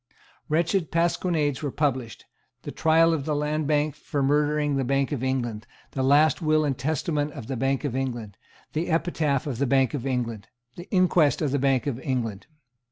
Wretched pasquinades were published, the Trial of the Land Bank for murdering the Bank of England, the last Will and Testament of the Bank of England, the Epitaph of the Bank of England, the Inquest on the Bank of England.